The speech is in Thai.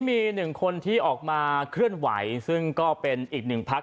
มีหนึ่งคนที่ออกมาเคลื่อนไหวซึ่งก็เป็นอีกหนึ่งพัก